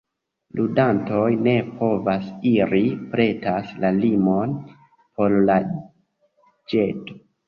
Ludantoj ne povas iri preter la limon por la ĵeto.